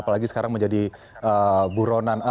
apalagi sekarang menjadi buronan